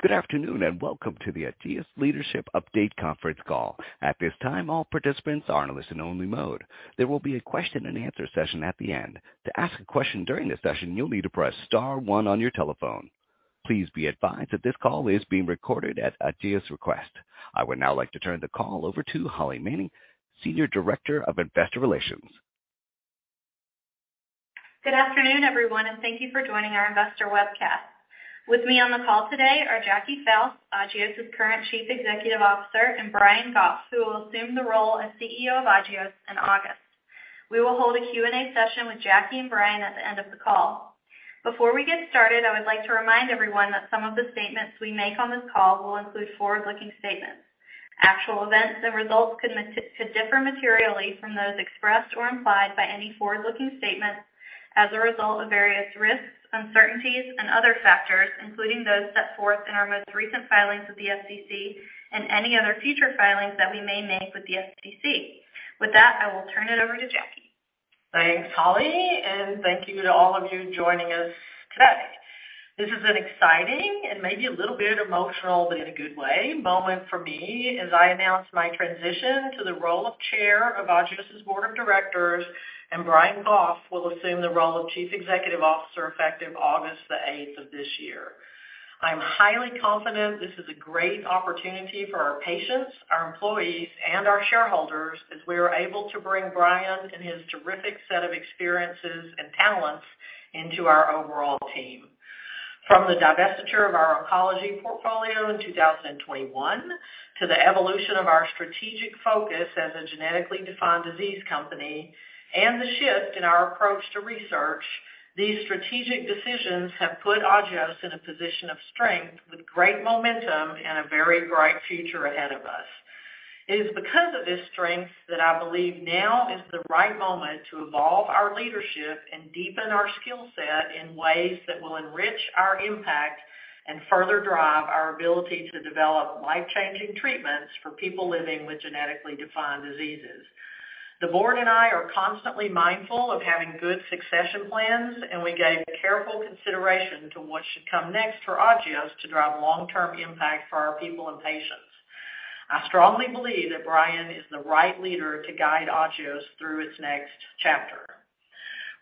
Good afternoon, and welcome to the Agios Leadership Update Conference Call. At this time, all participants are in listen-only mode. There will be a question-and-answer session at the end. To ask a question during the session, you'll need to press star one on your telephone. Please be advised that this call is being recorded at Agios request. I would now like to turn the call over to Holly Manning, Senior Director of Investor Relations. Good afternoon, everyone, and thank you for joining our investor webcast. With me on the call today are Jackie Fouse, Agios current Chief Executive Officer, and Brian Goff, who will assume the role as CEO of Agios in August. We will hold a Q&A session with Jackie and Brian at the end of the call. Before we get started, I would like to remind everyone that some of the statements we make on this call will include forward-looking statements. Actual events and results could differ materially from those expressed or implied by any forward-looking statements as a result of various risks, uncertainties and other factors, including those set forth in our most recent filings with the SEC and any other future filings that we may make with the SEC. With that, I will turn it over to Jackie. Thanks, Holly, and thank you to all of you joining us today. This is an exciting and maybe a little bit emotional, but in a good way, moment for me as I announce my transition to the role of Chair of Agios Board of Directors, and Brian Goff will assume the role of Chief Executive Officer effective August the eighth of this year. I'm highly confident this is a great opportunity for our patients, our employees, and our shareholders as we are able to bring Brian and his terrific set of experiences and talents into our overall team. From the divestiture of our oncology portfolio in 2021 to the evolution of our strategic focus as a genetically defined disease company and the shift in our approach to research, these strategic decisions have put Agios in a position of strength with great momentum and a very bright future ahead of us. It is because of this strength that I believe now is the right moment to evolve our leadership and deepen our skill set in ways that will enrich our impact and further drive our ability to develop life-changing treatments for people living with genetically defined diseases. The board and I are constantly mindful of having good succession plans, and we gave careful consideration to what should come next for Agios to drive long-term impact for our people and patients. I strongly believe that Brian is the right leader to guide Agios through its next chapter.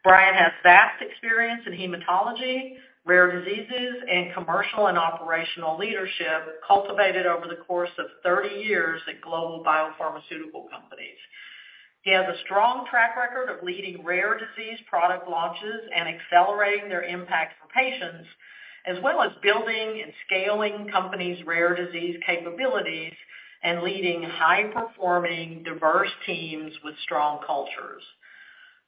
Brian has vast experience in hematology, rare diseases, and commercial and operational leadership cultivated over the course of 30 years at global biopharmaceutical companies. He has a strong track record of leading rare disease product launches and accelerating their impact for patients, as well as building and scaling companies' rare disease capabilities and leading high-performing diverse teams with strong cultures.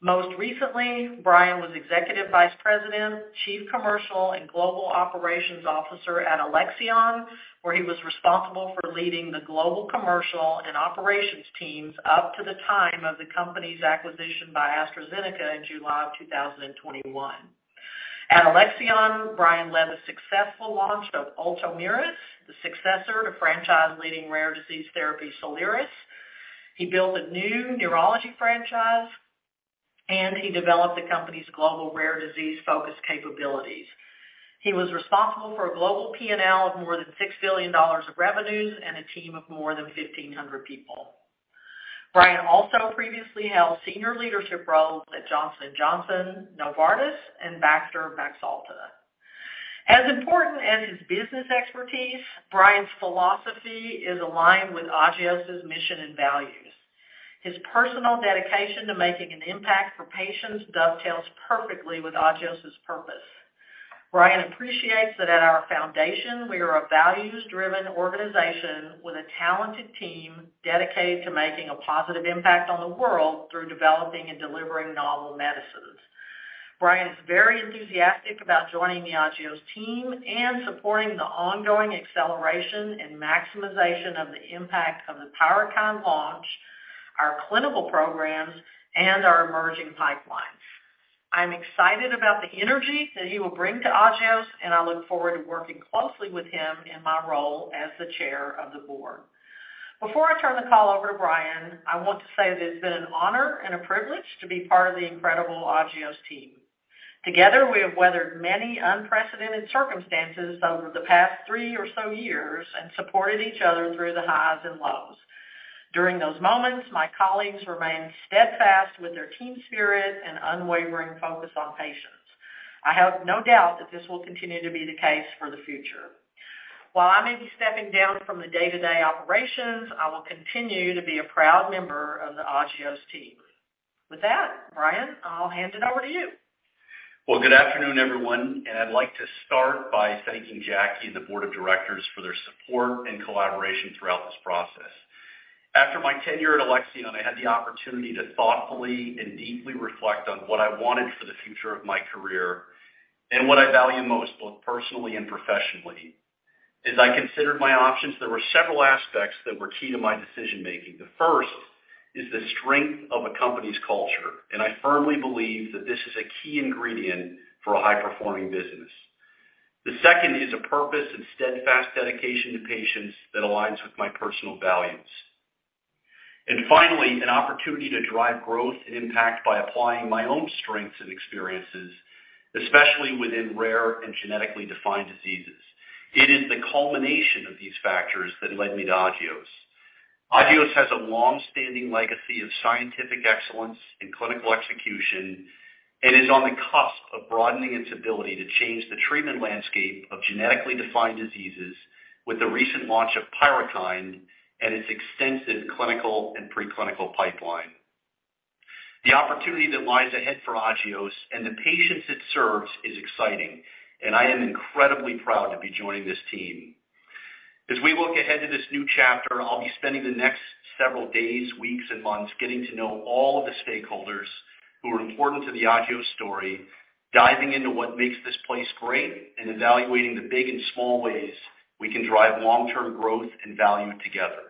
Most recently, Brian was Executive Vice President, Chief Commercial and Global Operations Officer at Alexion, where he was responsible for leading the global commercial and operations teams up to the time of the company's acquisition by AstraZeneca in July 2021. At Alexion, Brian led the successful launch of Ultomiris, the successor to franchise-leading rare disease therapy Soliris. He built a new neurology franchise, and he developed the company's global rare disease-focused capabilities. He was responsible for a global P&L of more than $6 billion of revenues and a team of more than 1,500 people. Brian also previously held senior leadership roles at Johnson & Johnson, Novartis, and Baxter International. As important as his business expertise, Brian's philosophy is aligned with Agios mission and values. His personal dedication to making an impact for patients dovetails perfectly with Agios purpose. Brian appreciates that at our foundation, we are a values-driven organization with a talented team dedicated to making a positive impact on the world through developing and delivering novel medicines. Brian is very enthusiastic about joining the Agios team and supporting the ongoing acceleration and maximization of the impact of the Pyrukynd launch, our clinical programs, and our emerging pipelines. I'm excited about the energy that he will bring to Agios, and I look forward to working closely with him in my role as the chair of the board. Before I turn the call over to Brian, I want to say that it's been an honor and a privilege to be part of the incredible Agios team. Together, we have weathered many unprecedented circumstances over the past three or so years and supported each other through the highs and lows. During those moments, my colleagues remained steadfast with their team spirit and unwavering focus on patients. I have no doubt that this will continue to be the case for the future. While I may be stepping down from the day-to-day operations, I will continue to be a proud member of the Agios team. With that, Brian, I'll hand it over to you. Well, good afternoon, everyone, and I'd like to start by thanking Jackie and the board of directors for their support and collaboration throughout this process. After my tenure at Alexion, I had the opportunity to thoughtfully and deeply reflect on what I wanted for the future of my career and what I value most, both personally and professionally. As I considered my options, there were several aspects that were key to my decision-making. The 1st is the strength of a company's culture, and I firmly believe that this is a key ingredient for a high-performing business. The 2nd is a purpose and steadfast dedication to patients that aligns with my personal values. Finally, an opportunity to drive growth and impact by applying my own strengths and experiences, especially within rare and genetically defined diseases. It is the culmination of these factors that led me to Agios. Agios has a long-standing legacy of scientific excellence in clinical execution and is on the cusp of broadening its ability to change the treatment landscape of genetically defined diseases with the recent launch of Pyrukynd and its extensive clinical and preclinical pipeline. The opportunity that lies ahead for Agios and the patients it serves is exciting, and I am incredibly proud to be joining this team. As we look ahead to this new chapter, I'll be spending the next several days, weeks, and months getting to know all of the stakeholders who are important to the Agios story, diving into what makes this place great, and evaluating the big and small ways we can drive long-term growth and value together.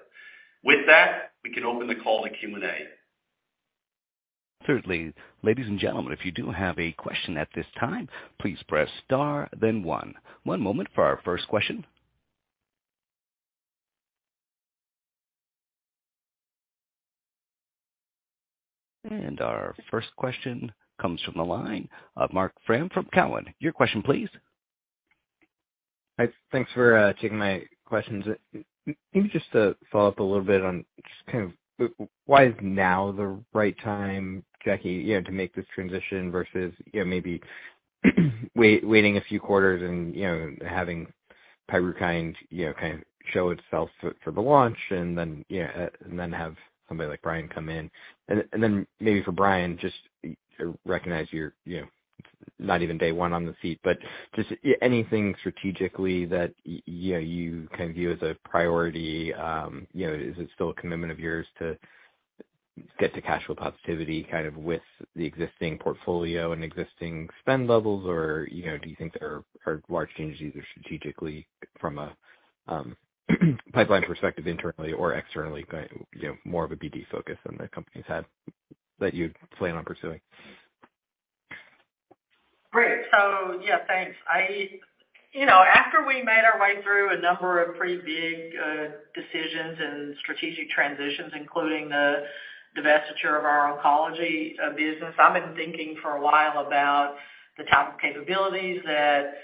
With that, we can open the call to Q&A. Thirdly, ladies and gentlemen, if you do have a question at this time, please press star then one. One moment for our 1st question. Our 1st question comes from the line of Marc Frahm from TD Cowen. Your question, please. Hi. Thanks for taking my questions. Maybe just to follow up a little bit on just kind of why is now the right time, Jackie, you know, to make this transition versus, you know, maybe waiting a few quarters and, you know, having Pyrukynd, you know, kind of show itself for the launch and then, you know, and then have somebody like Brian come in. And then maybe for Brian, just recognize you're, you know, not even day one on the seat, but just anything strategically that you know, you can view as a priority, you know. Is it still a commitment of yours to get to cash flow positivity kind of with the existing portfolio and existing spend levels or, you know, do you think there are large changes either strategically from a pipeline perspective internally or externally kind, you know, more of a BD focus than the companies had that you plan on pursuing? Great. Yeah, thanks. I, you know, after we made our way through a number of pretty big decisions and strategic transitions, including the divestiture of our oncology business, I've been thinking for a while about the type of capabilities that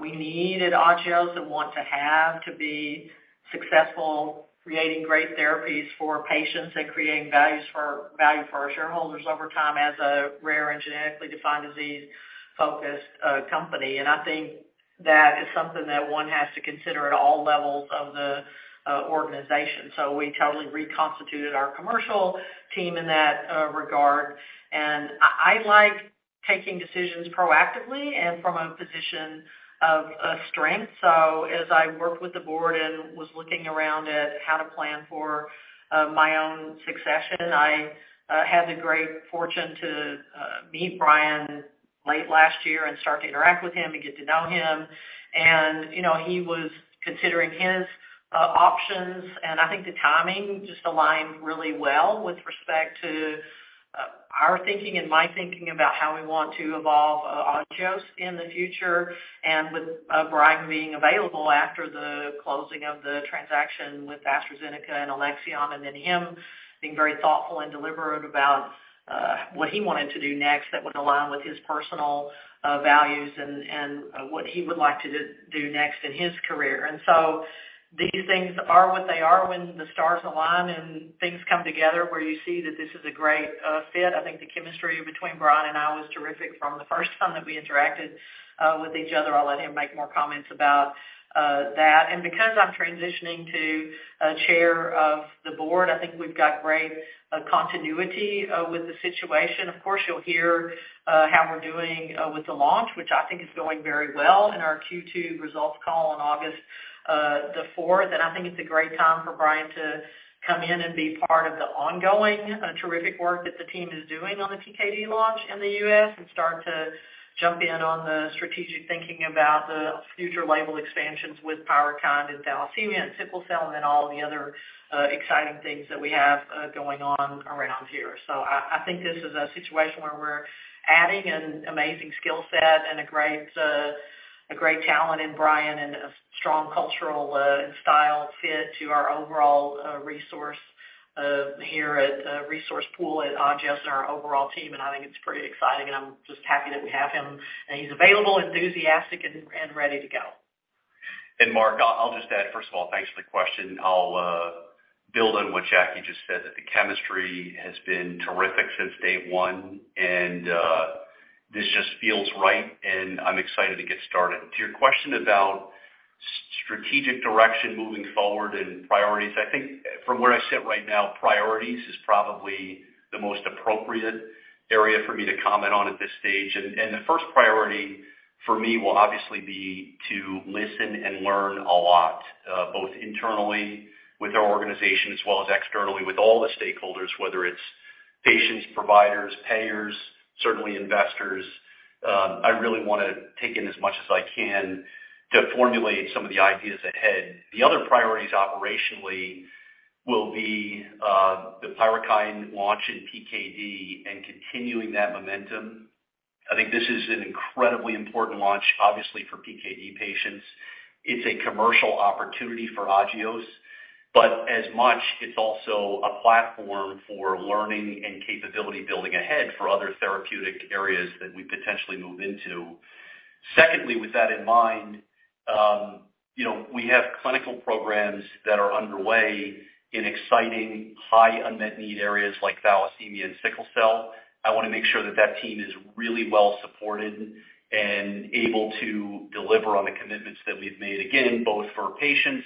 we need at Agios and want to have to be successful, creating great therapies for patients and creating value for our shareholders over time as a rare and genetically defined disease-focused company. I think that is something that one has to consider at all levels of the organization. We totally reconstituted our commercial team in that regard. I like taking decisions proactively and from a position of strength. As I worked with the board and was looking around at how to plan for my own succession, I had the great fortune to meet Brian late last year and start to interact with him and get to know him. You know, he was considering his options. I think the timing just aligned really well with respect to our thinking and my thinking about how we want to evolve Agios in the future. With Brian being available after the closing of the transaction with AstraZeneca and Alexion, and then him being very thoughtful and deliberate about what he wanted to do next that would align with his personal values and what he would like to do next in his career. These things are what they are when the stars align and things come together, where you see that this is a great fit. I think the chemistry between Brian and I was terrific from the 1st time that we interacted with each other. I'll let him make more comments about that. Because I'm transitioning to chair of the board, I think we've got great continuity with the situation. Of course, you'll hear how we're doing with the launch, which I think is going very well in our Q2 results call on August 4th. I think it's a great time for Brian to come in and be part of the ongoing terrific work that the team is doing on the PKD launch in the U.S. and start to jump in on the strategic thinking about the future label expansions with Pyrukynd and thalassemia and sickle cell and then all the other exciting things that we have going on around here. I think this is a situation where we're adding an amazing skill set and a great talent in Brian and a strong cultural and style fit to our overall resource pool at Agios and our overall team. I think it's pretty exciting, and I'm just happy that we have him, and he's available, enthusiastic and ready to go. Marc, I'll just add, 1st of all, thanks for the question. I'll build on what Jackie just said, that the chemistry has been terrific since day one, and this just feels right, and I'm excited to get started. To your question about strategic direction moving forward and priorities, I think from where I sit right now, priorities is probably the most appropriate area for me to comment on at this stage. The 1st priority for me will obviously be to listen and learn a lot, both internally with our organization as well as externally with all the stakeholders, whether it's patients, providers, payers, certainly investors. I really wanna take in as much as I can to formulate some of the ideas ahead. The other priorities operationally will be the Pyrukynd launch in PKD and continuing that momentum. I think this is an incredibly important launch, obviously for PKD patients. It's a commercial opportunity for Agios, but as much as it's also a platform for learning and capability building ahead for other therapeutic areas that we potentially move into. Secondly, with that in mind, you know, we have clinical programs that are underway in exciting high unmet need areas like thalassemia and sickle cell. I wanna make sure that that team is really well supported and able to deliver on the commitments that we've made, again, both for patients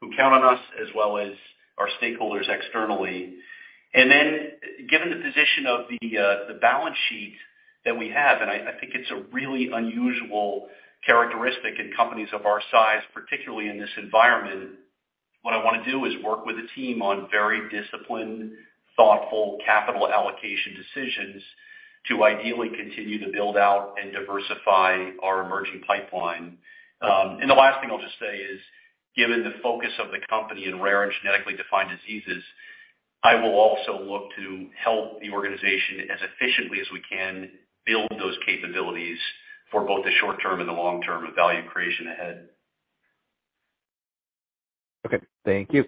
who count on us as well as our stakeholders externally. Given the position of the balance sheet that we have, and I think it's a really unusual characteristic in companies of our size, particularly in this environment. What I wanna do is work with the team on very disciplined, thoughtful capital allocation decisions to ideally continue to build out and diversify our emerging pipeline. The last thing I'll just say is, given the focus of the company in rare and genetically defined diseases, I will also look to help the organization as efficiently as we can build those capabilities for both the short-term and the long-term of value creation ahead. Okay, thank you.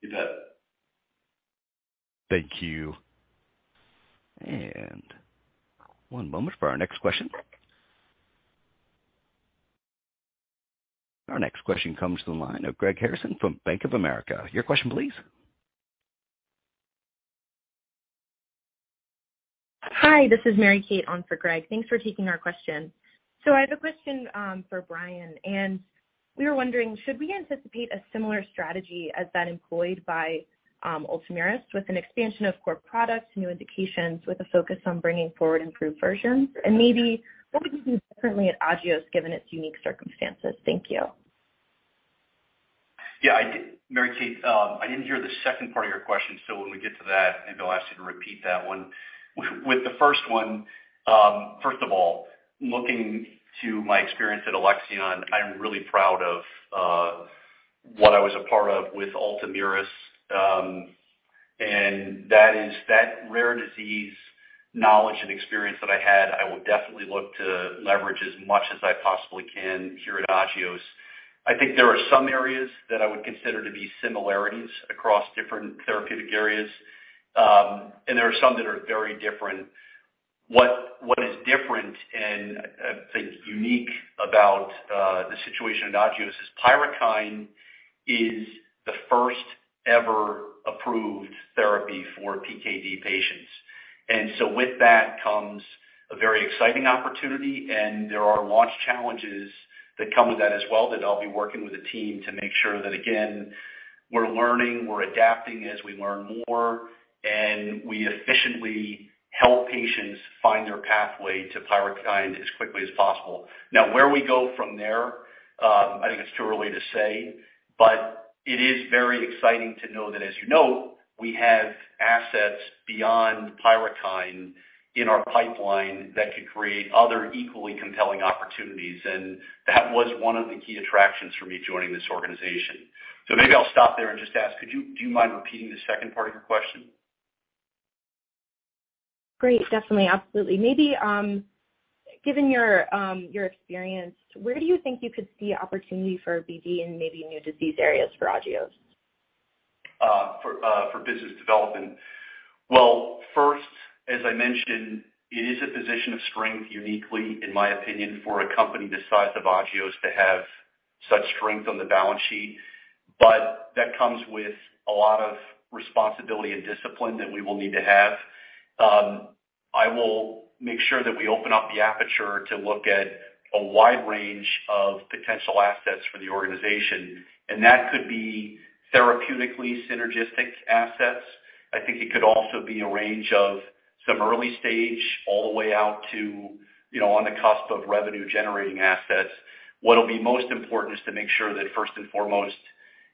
You bet. Thank you. One moment for our next question. Our next question comes to the line of Greg Harrison from Bank of America. Your question please. Hi, this is Mary Kate on for Greg. Thanks for taking our question. I have a question for Brian, and we were wondering, should we anticipate a similar strategy as that employed by Ultomiris with an expansion of core products, new indications with a focus on bringing forward improved versions? Maybe what would you do differently at Agios given its unique circumstances? Thank you. Yeah. Mary Kate, I didn't hear the 2nd part of your question, so when we get to that, maybe I'll ask you to repeat that one. With the 1st one, 1st of all, looking to my experience at Alexion, I'm really proud of what I was a part of with Ultomiris. That is that rare disease knowledge and experience that I had, I will definitely look to leverage as much as I possibly can here at Agios. I think there are some areas that I would consider to be similarities across different therapeutic areas, and there are some that are very different. What is different and I think unique about the situation at Agios is Pyrukynd is the 1st ever approved therapy for PKD patients. With that comes a very exciting opportunity, and there are launch challenges that come with that as well that I'll be working with the team to make sure that, again, we're learning, we're adapting as we learn more, and we efficiently help patients find their pathway to Pyrukynd as quickly as possible. Now, where we go from there, I think it's too early to say, but it is very exciting to know that, as you know, we have assets beyond Pyrukynd in our pipeline that could create other equally compelling opportunities, and that was one of the key attractions for me joining this organization. Maybe I'll stop there and just ask, do you mind repeating the 2nd part of your question? Great. Definitely. Absolutely. Maybe, given your experience, where do you think you could see opportunity for BD and maybe new disease areas for Agios? For business development. Well, 1st, as I mentioned, it is a position of strength, uniquely in my opinion, for a company the size of Agios to have such strength on the balance sheet, but that comes with a lot of responsibility and discipline that we will need to have. I will make sure that we open up the aperture to look at a wide range of potential assets for the organization, and that could be therapeutically synergistic assets. I think it could also be a range of some early stage all the way out to, you know, on the cusp of revenue generating assets. What'll be most important is to make sure that 1st and foremost,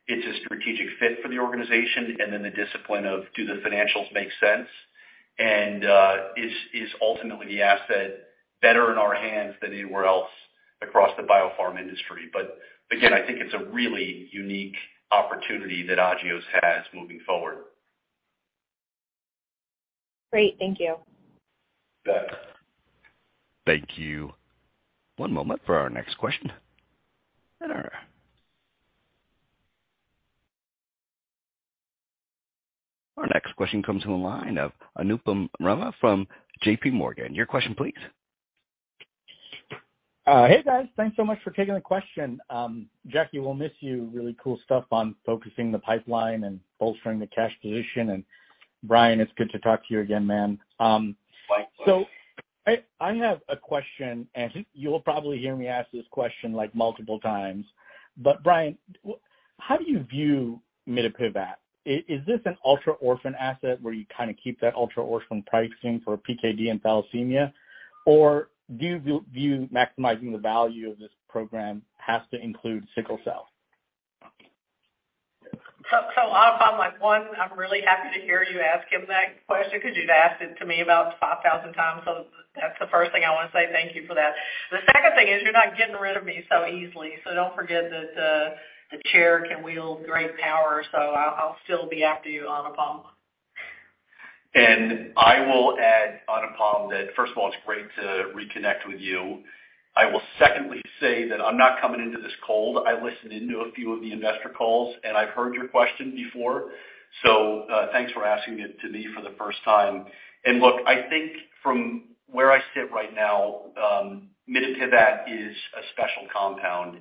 it's a strategic fit for the organization, and then the discipline of do the financials make sense, and is ultimately the asset better in our hands than anywhere else across the biopharm industry. Again, I think it's a really unique opportunity that Agios has moving forward. Great. Thank you. You bet. Thank you. One moment for our next question. Our next question comes from the line of Anupam Rama from J.P. Morgan. Your question please. Hey, guys. Thanks so much for taking the question. Jackie, we'll miss you. Really cool stuff on focusing the pipeline and bolstering the cash position. Brian, it's good to talk to you again, man. Likewise. I have a question, and you'll probably hear me ask this question like multiple times, but Brian, how do you view mitapivat? Is this an ultra-orphan asset where you kind of keep that ultra-orphan pricing for PKD and thalassemia? Or do you view maximizing the value of this program has to include sickle cell? Anupam, like one, I'm really happy to hear you ask him that question because you've asked it to me about 5,000 times. That's the 1st thing I wanna say. Thank you for that. The 2nd thing is you're not getting rid of me so easily, so don't forget that. The chair can wield great power, so I'll still be after you, Anupam. I will add, Anupam, that 1st of all, it's great to reconnect with you. I will 2ndly say that I'm not coming into this cold. I listened into a few of the investor calls, and I've heard your question before. Thanks for asking it to me for the 1st time. Look, I think from where I sit right now, mitapivat is a special compound.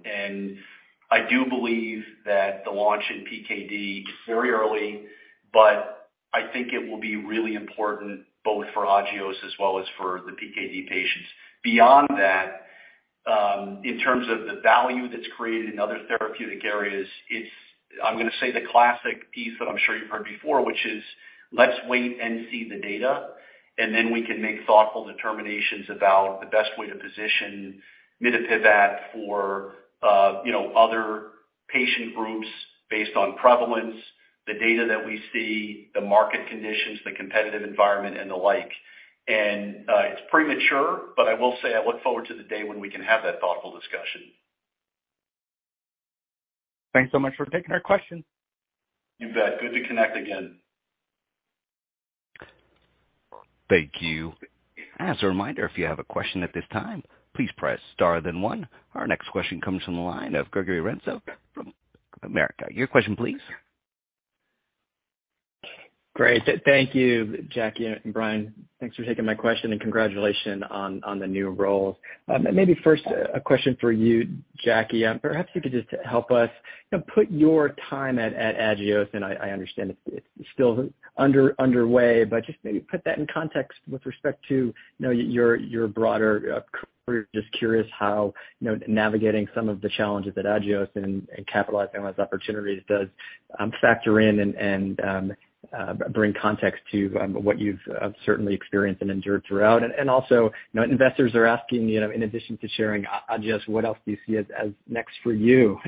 I do believe that the launch in PKD, it's very early, but I think it will be really important both for Agios as well as for the PKD patients. Beyond that, in terms of the value that's created in other therapeutic areas, I'm gonna say the classic piece that I'm sure you've heard before, which is let's wait and see the data, and then we can make thoughtful determinations about the best way to position mitapivat for, you know, other patient groups based on prevalence, the data that we see, the market conditions, the competitive environment and the like. It's premature, but I will say I look forward to the day when we can have that thoughtful discussion. Thanks so much for taking our question. You bet. Good to connect again. Thank you. As a reminder, if you have a question at this time, please press star then one. Our next question comes from the line of Gregory Renza from RBC Capital Markets. Your question please. Great. Thank you, Jackie and Brian. Thanks for taking my question, and congratulations on the new roles. Maybe 1st a question for you, Jackie. Perhaps you could just help us, you know, put your time at Agios, and I understand it's still underway, but just maybe put that in context with respect to, you know, your broader career. Just curious how, you know, navigating some of the challenges at Agios and capitalizing on those opportunities does factor in and bring context to what you've certainly experienced and endured throughout. Also, you know, investors are asking, you know, in addition to sharing Agios, what else do you see as next for you?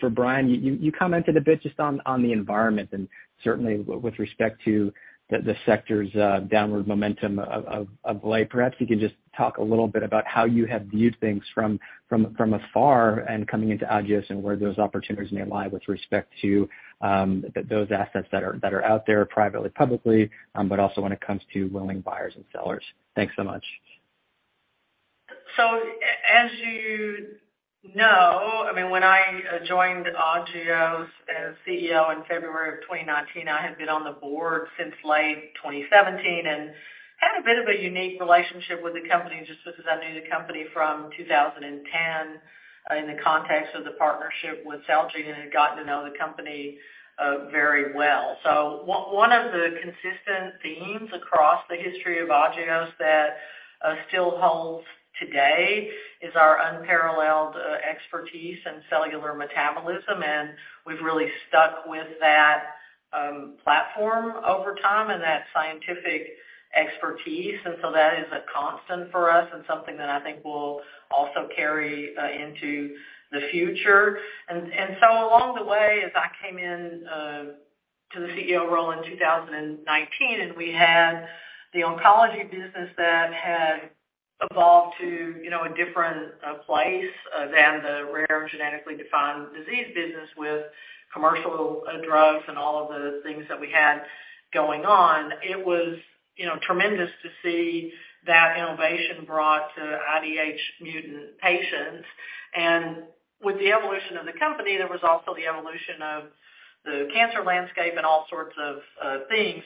For Brian, you commented a bit just on the environment and certainly with respect to the sector's downward momentum of late. Perhaps you can just talk a little bit about how you have viewed things from afar and coming into Agios and where those opportunities may lie with respect to those assets that are out there privately, publicly, but also when it comes to willing buyers and sellers. Thanks so much. You know, I mean, when I joined Agios as CEO in February 2019, I had been on the board since late 2017 and had a bit of a unique relationship with the company just because I knew the company from 2010 in the context of the partnership with Celgene and had gotten to know the company very well. One of the consistent themes across the history of Agios that still holds today is our unparalleled expertise in cellular metabolism, and we've really stuck with that platform over time and that scientific expertise. That is a constant for us and something that I think will also carry into the future. Along the way, as I came in to the CEO role in 2019, and we had the oncology business that had evolved to, you know, a different place than the rare genetically defined disease business with commercial drugs and all of the things that we had going on. It was, you know, tremendous to see that innovation brought to IDH mutant patients. With the evolution of the company, there was also the evolution of the cancer landscape and all sorts of things.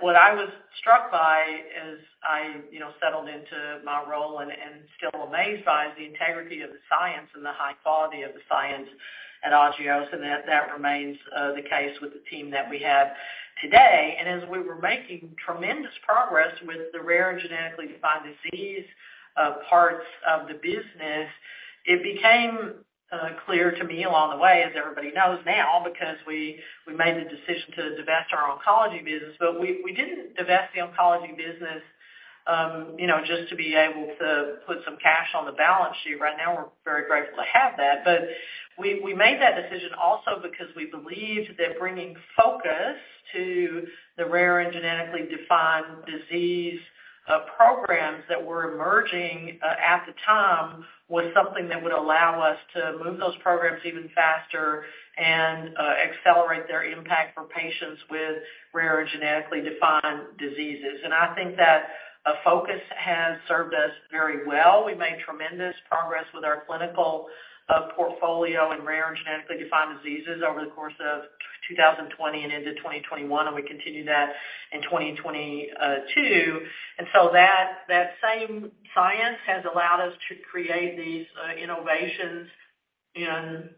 What I was struck by as I, you know, settled into my role and still amazed by is the integrity of the science and the high quality of the science at Agios, and that remains the case with the team that we have today. As we were making tremendous progress with the rare and genetically defined disease parts of the business, it became clear to me along the way, as everybody knows now, because we made the decision to divest our oncology business. But we didn't divest the oncology business just to be able to put some cash on the balance sheet. Right now, we're very grateful to have that. But we made that decision also because we believed that bringing focus to the rare and genetically defined disease programs that were emerging at the time was something that would allow us to move those programs even faster and accelerate their impact for patients with rare and genetically defined diseases. I think that focus has served us very well. We've made tremendous progress with our clinical portfolio in rare and genetically defined diseases over the course of 2020 and into 2021, and we continue that in 2022. That same science has allowed us to create these innovations in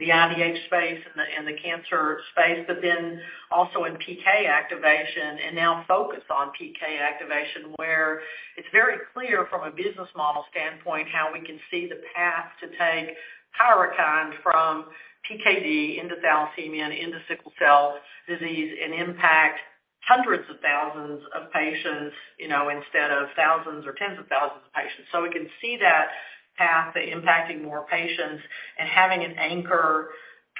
the IDH space and the cancer space, but then also in PK activation and now focus on PK activation, where it's very clear from a business model standpoint how we can see the path to take Pyrukynd from PKD into thalassemia and into sickle cell disease and impact hundreds of thousands of patients, you know, instead of thousands or tens of thousands of patients. We can see that path to impacting more patients and having an anchor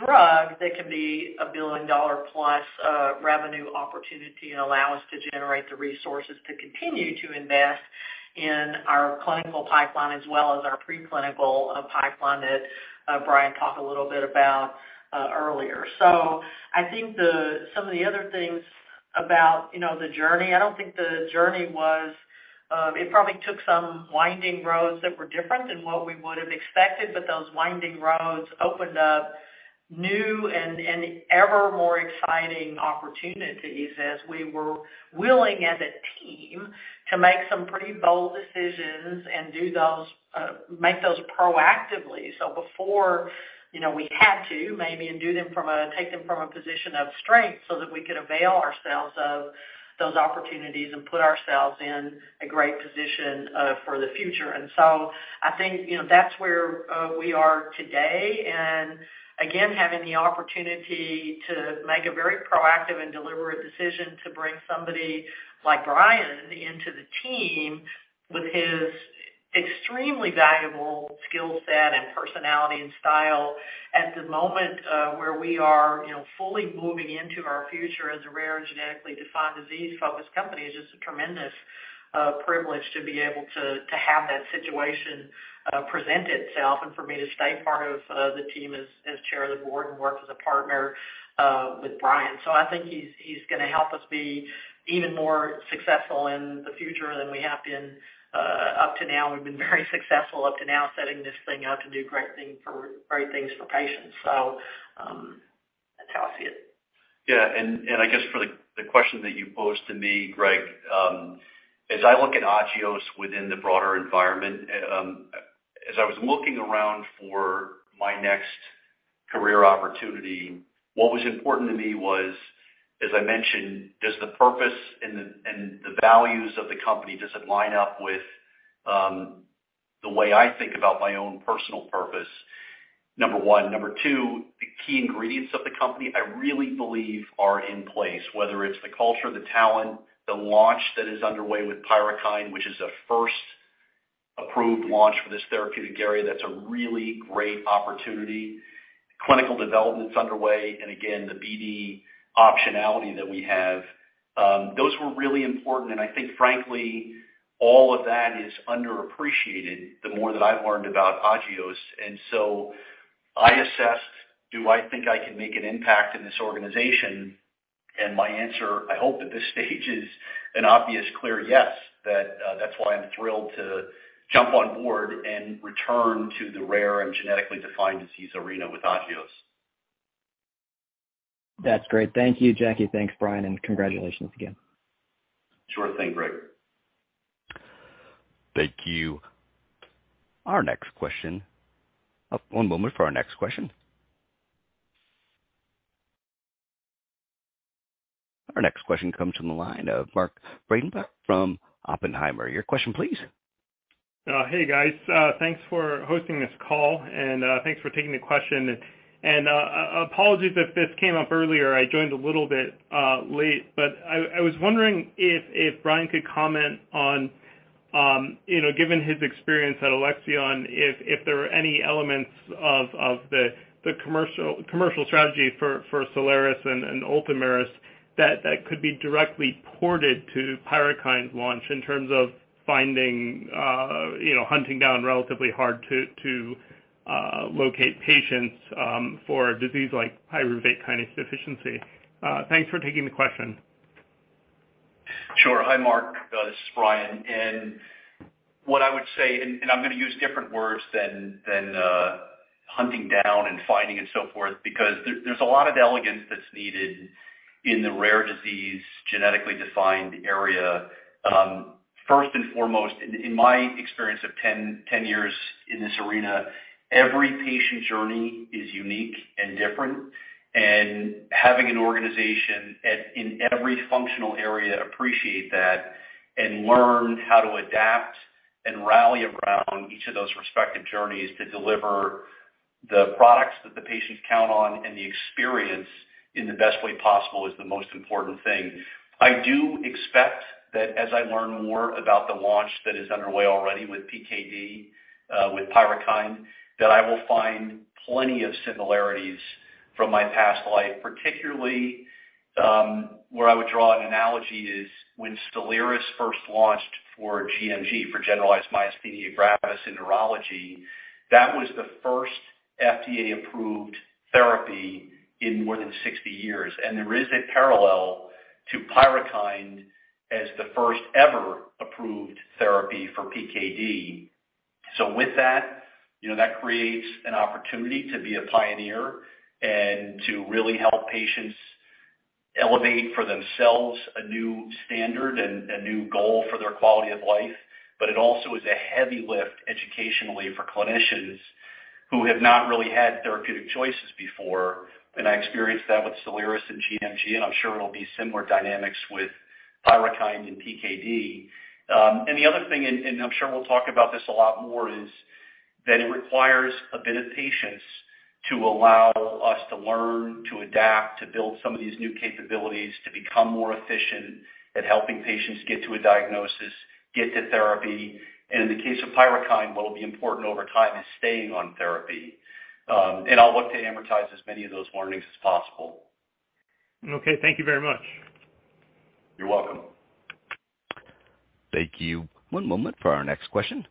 drug that can be a billion-dollar-plus revenue opportunity and allow us to generate the resources to continue to invest in our clinical pipeline as well as our pre-clinical pipeline that Brian talked a little bit about earlier. I think some of the other things about, you know, the journey. I don't think the journey was. It probably took some winding roads that were different than what we would have expected, but those winding roads opened up new and ever more exciting opportunities as we were willing as a team to make some pretty bold decisions and make those proactively. Before, you know, we had to take them from a position of strength so that we could avail ourselves of those opportunities and put ourselves in a great position for the future. I think, you know, that's where we are today. Again, having the opportunity to make a very proactive and deliberate decision to bring somebody like Brian into the team with his extremely valuable skill set and personality and style at the moment, where we are, you know, fully moving into our future as a rare and genetically defined disease-focused company is just a tremendous privilege to be able to have that situation present itself and for me to stay part of the team as chair of the board and work as a partner with Brian. I think he's gonna help us be even more successful in the future than we have been up to now. We've been very successful up to now setting this thing up to do great things for patients. That's how I see it. Yeah. I guess for the question that you posed to me, Greg, as I look at Agios within the broader environment, as I was looking around for my next career opportunity, what was important to me was, as I mentioned, does the purpose and the values of the company, does it line up with the way I think about my own personal purpose? Number one. Number two, the key ingredients of the company I really believe are in place, whether it's the culture, the talent, the launch that is underway with Pyrukynd, which is a 1st approved launch for this therapeutic area, that's a really great opportunity. Clinical development's underway, and again, the BD optionality that we have, those were really important. I think, frankly, all of that is underappreciated, the more that I've learned about Agios. I assessed, do I think I can make an impact in this organization? My answer, I hope at this stage, is an obvious clear yes. That, that's why I'm thrilled to jump on board and return to the rare and genetically defined disease arena with Agios. That's great. Thank you, Jackie. Thanks, Brian, and congratulations again. Sure thing, Greg. Thank you. Our next question. One moment for our next question. Our next question comes from the line of Marc Breidenbach from Oppenheimer & Co. Your question please. Hey, guys. Thanks for hosting this call, and thanks for taking the question. Apologies if this came up earlier. I joined a little bit late, but I was wondering if Brian could comment on, you know, given his experience at Alexion, if there were any elements of the commercial strategy for Soliris and Ultomiris that could be directly ported to Pyrukynd's launch in terms of finding, you know, hunting down relatively hard to locate patients for a disease like pyruvate kinase deficiency. Thanks for taking the question. Sure. Hi, Marc. This is Brian. What I would say, and I'm gonna use different words than hunting down and finding and so forth, because there's a lot of elegance that's needed in the rare disease, genetically defined area. First and foremost, in my experience of 10 years in this arena, every patient journey is unique and different. Having an organization in every functional area appreciate that and learn how to adapt and rally around each of those respective journeys to deliver the products that the patients count on and the experience in the best way possible is the most important thing. I do expect that as I learn more about the launch that is underway already with PKD, with Pyrukynd, that I will find plenty of similarities from my past life. Particularly, where I would draw an analogy is when, for generalized myasthenia gravis in neurology, that was the 1st FDA-approved therapy in more than 60 years. There is a parallel to Pyrukynd as the 1st ever approved therapy for PKD. With that, you know, that creates an opportunity to be a pioneer and to really help patients elevate for themselves a new standard and a new goal for their quality of life. It also is a heavy lift educationally for clinicians who have not really had therapeutic choices before. I experienced that with Soliris and GMG, and I'm sure it'll be similar dynamics with Pyrukynd and PKD. The other thing, and I'm sure we'll talk about this a lot more, is that it requires a bit of patience to allow us to learn, to adapt, to build some of these new capabilities, to become more efficient at helping patients get to a diagnosis, get to therapy. In the case of Pyrukynd, what will be important over time is staying on therapy. I'll look to amortize as many of those learnings as possible. Okay. Thank you very much. You're welcome. Thank you. One moment for our next question.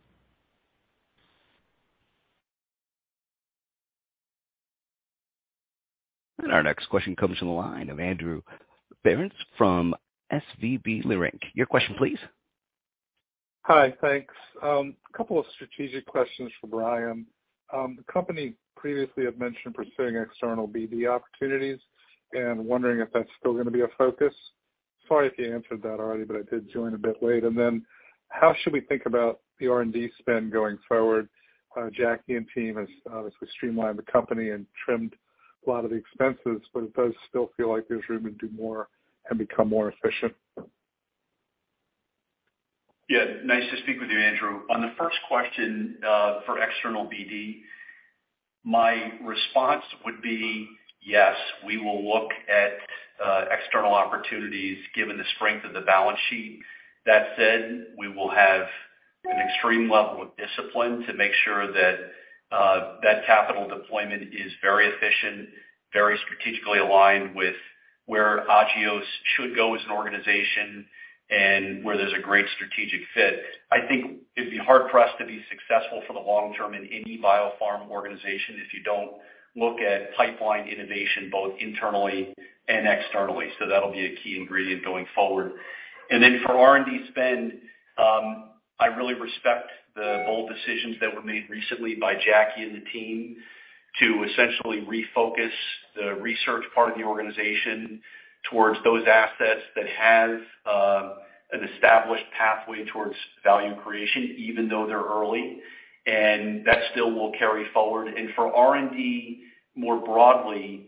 Our next question comes from the line of Andrew Berens from Leerink Partners. Your question, please. Hi. Thanks. A couple of strategic questions for Brian. The company previously had mentioned pursuing external BD opportunities and wondering if that's still gonna be a focus. Sorry if you answered that already, but I did join a bit late. How should we think about the R&D spend going forward? Jackie and team has obviously streamlined the company and trimmed a lot of the expenses, but it does still feel like there's room to do more and become more efficient. Yeah. Nice to speak with you, Andrew. On the 1st question, for external BD, my response would be, yes, we will look at external opportunities given the strength of the balance sheet. That said, we will have an extreme level of discipline to make sure that capital deployment is very efficient, very strategically aligned with where Agios should go as an organization and where there's a great strategic fit. I think it'd be hard for us to be successful for the long term in any biopharma organization if you don't look at pipeline innovation both internally and externally. That'll be a key ingredient going forward. Then for R&D spend, I really respect the bold decisions that were made recently by Jackie and the team to essentially refocus the research part of the organization towards those assets that have an established pathway towards value creation, even though they're early, and that still will carry forward. For R&D, more broadly,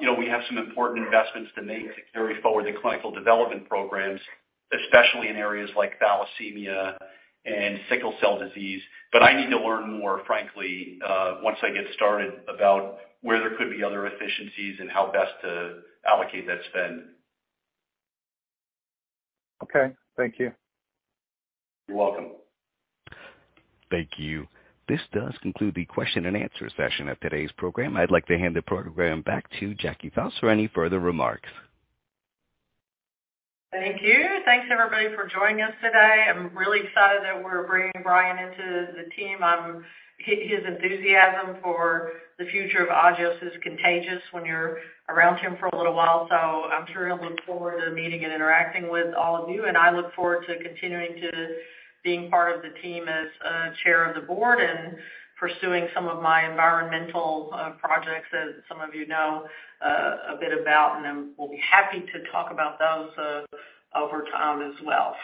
you know, we have some important investments to make to carry forward the clinical development programs, especially in areas like thalassemia and sickle cell disease. I need to learn more, frankly, once I get started about where there could be other efficiencies and how best to allocate that spend. Okay. Thank you. You're welcome. Thank you. This does conclude the question and answer session of today's program. I'd like to hand the program back to Jackie Fouse for any further remarks. Thank you. Thanks, everybody, for joining us today. I'm really excited that we're bringing Brian into the team. His enthusiasm for the future of Agios is contagious when you're around him for a little while. I'm sure he'll look forward to meeting and interacting with all of you. I look forward to continuing to being part of the team as chair of the board and pursuing some of my environmental projects, as some of you know a bit about. I will be happy to talk about those over time as well.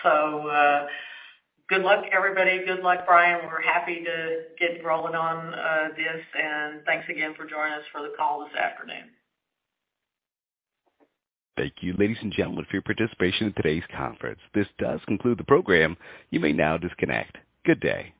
Good luck, everybody. Good luck, Brian. We're happy to get rolling on this, and thanks again for joining us for the call this afternoon. Thank you, ladies and gentlemen, for your participation in today's conference. This does conclude the program. You may now disconnect. Good day.